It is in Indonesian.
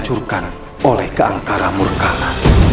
disuruhkan oleh keangkaramurkala